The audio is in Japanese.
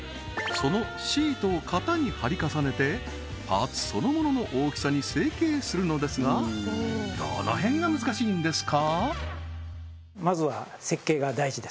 そのシートを型に貼り重ねてパーツそのものの大きさに成形するのですがどの辺が難しいんですか？